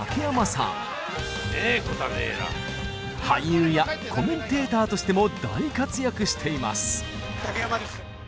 俳優やコメンテーターとしても大活躍しています。